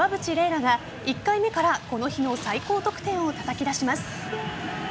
楽が１回目からこの日の最高得点をたたき出します。